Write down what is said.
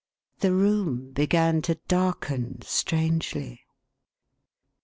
The room began to darken strangely.